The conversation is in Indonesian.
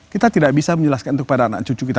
kita tidak bisa menjelaskan itu pada anak cucu kita